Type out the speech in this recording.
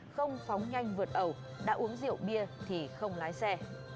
không phóng nhanh vượt ẩu đã uống rượu bia thì không lái xe